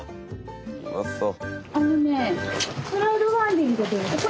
うまそう。